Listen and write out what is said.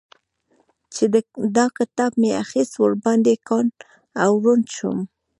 چې دا کتاب مې اخيست؛ ور باندې کوڼ او ړونډ شوم.